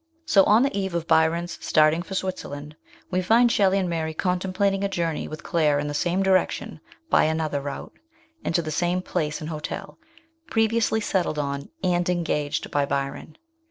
So on the eve of Byron's starting for Switzerland, we find Shelley and Mary contemplating a journey with Claire in the same direction by another route, but to the same place and hotel, previously settled on and engaged by Byron.